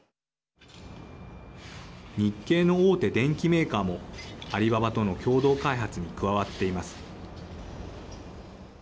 日系の大手電機メーカーもアリババとの共同開発に加わっています。